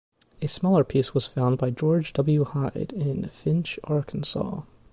A smaller piece was found by George W. Hyde in Finch, Arkansas.